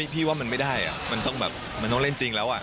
พี่ว่ามันไม่ได้อ่ะมันต้องเล่นจริงแล้วอ่ะ